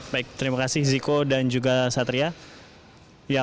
baik terima kasih ziko dan juga satria